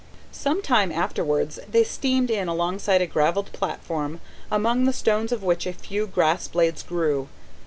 Some time afterwards they steamed in alongside a gravelled platform, among the stones of which a few grass blades grew.